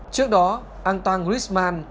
trước đó an toàn griezmann